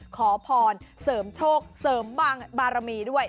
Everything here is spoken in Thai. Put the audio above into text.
ขอพรเสริมโชคเสริมบารมีด้วย